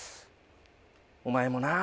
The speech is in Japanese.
お前もな